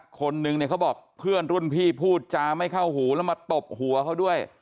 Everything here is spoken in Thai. คนนึงเนี่ยเขาบอกเพื่อนรุ่นพี่พูดจาไม่เข้าหูแล้วมาตบหัวเขาด้วย